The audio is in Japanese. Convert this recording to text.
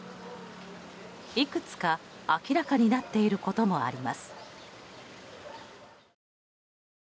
いくつか明らかになっていることもあります。